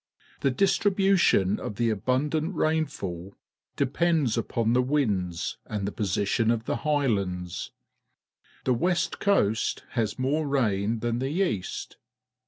The distribu tion of the abundant rainfall depends upon the winds and the position of the higlilands. The west coast has more rain than the east.